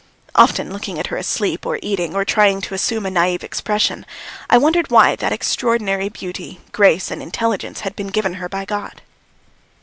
Often looking at her asleep, or eating, or trying to assume a naïve expression, I wondered why that extraordinary beauty, grace, and intelligence had been given her by God.